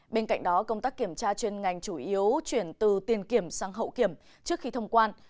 bên cạnh đó công tác kiểm tra chuyên ngành chủ yếu chuyển từ tiền kiểm sang hậu kiểm trước khi thông quan